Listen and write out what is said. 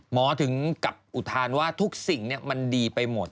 ถึงกับอุทานว่าทุกสิ่งมันดีไปหมด